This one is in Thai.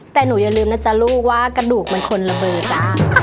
แต่หนูอย่าลืมนะจ๊ะลูกว่ากระดูกมันคนละเบอร์จ้า